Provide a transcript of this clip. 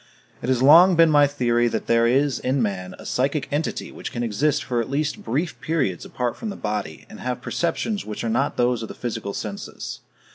It has long been my theory that there is in man a psychic entity which can exist for at least brief periods apart from the body, and have perceptions which are not those of the physical senses.